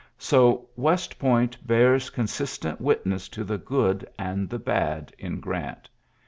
So "West Point bears consist witness to the good and the bad in oit.